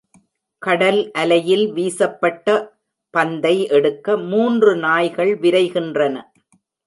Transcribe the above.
கடல் அலையில் வீசப்பட்ட பந்தை எடுக்க மூன்று நாய்கள் விரைகின்றன.